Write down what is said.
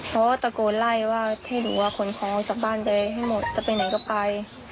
เขาก็ตะโกนไล่ว่าให้หนูว่าขนของออกจากบ้านไปให้หมดจะไปไหนก็ไป